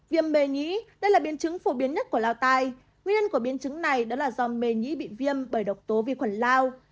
viêm mề nhĩ đây là biên chứng phổ biến nhất của lao tai nguyên nhân của biên chứng này đó là do mề nhĩ bị viêm bởi độc tố vi khuẩn lao